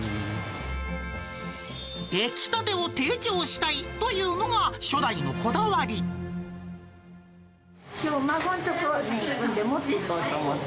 出来たてを提供したいというきょう、孫んとこ行くんで、持っていこうと思って。